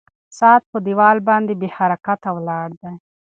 ساعت په دیوال باندې بې حرکته ولاړ دی.